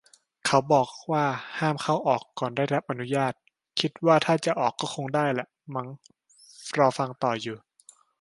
เขาบอกว่า ห้ามเข้าออก ก่อนได้รับอนุญาต คิดว่าถ้าจะออก ก็คงได้ล่ะมั้ง รอฟังต่ออยู่